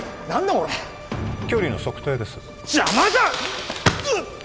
これ距離の測定です邪魔だ！